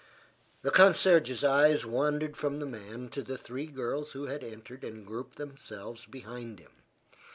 The concierge's eyes wandered from the man to the three girls who had entered and grouped themselves behind him.